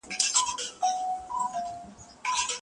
هیوادونو به د دوستۍ پیغامونه رسولي وي.